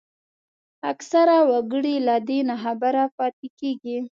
اکثره وګړي له دې ناخبره پاتېږي